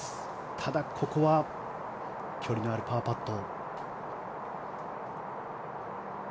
ただ、ここは距離のあるパーパット。